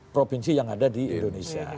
provinsi yang ada di indonesia